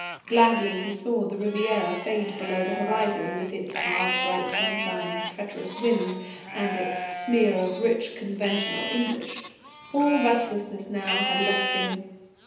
Gladly he saw the Riviera fade below the horizon, with its hard bright sunshine, treacherous winds, and its smear of rich, conventional English. All restlessness now had left him.